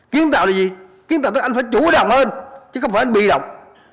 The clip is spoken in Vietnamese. kiến tạo là gì kiến tạo tức anh phải chủ động hơn chứ không phải anh bị động